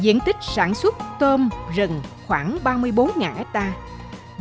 diện tích sản xuất tôm rừng khoảng ba mươi bốn hectare